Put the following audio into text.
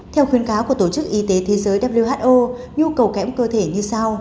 theo khuyến cáo của tổ chức y tế thế giới who nhu cầu kém cơ thể như sau